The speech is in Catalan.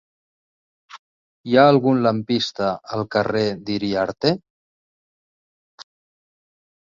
Hi ha algun lampista al carrer d'Iriarte?